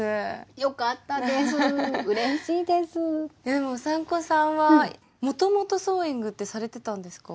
でもうさんこさんはもともとソーイングってされてたんですか？